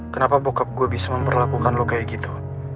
kenapa gue bisa memperlakukan lo kayak gitu